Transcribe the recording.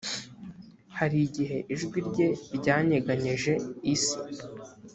hari igihe ijwi rye ryanyeganyeje isi